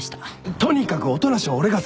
とにかく音無は俺が捜す。